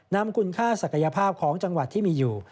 นำคุณค่าศักยภาพของจังหวัดที่มีอยู่